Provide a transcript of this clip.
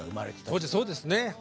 当時そうですね。